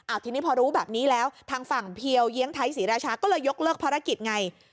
ทีนี้พอรู้แบบนี้แล้วทางฝั่งเพียวเยียงไทยศรีราชาก็เลยยกเลิกภารกิจไง